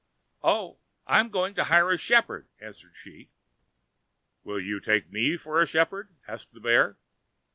"Oh, I'm going to hire a shepherd," answered she. "Will you take me for a shepherd?" asked the bear.